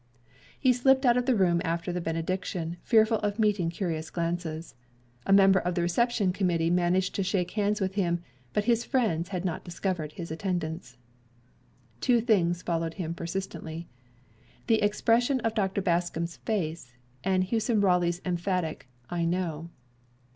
He slipped out of the room after the benediction, fearful of meeting curious glances. A member of the reception committee managed to shake hands with him, but his friends had not discovered his attendance. Two things followed him persistently. The expression of Dr. Bascom's face, and Hewson Raleigh's emphatic "I know."